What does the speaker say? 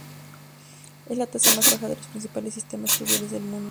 Es la tasa más baja de los principales sistemas fluviales del mundo.